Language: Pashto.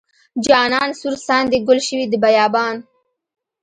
جانان سور ساندې ګل شوې د بیابان.